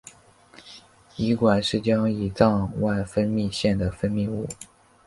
胰管是将胰脏外分泌腺的分泌物。